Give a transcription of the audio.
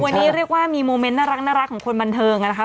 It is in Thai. วันนี้เรียกว่ามีโมเมนต์น่ารักของคนบันเทิงนะคะ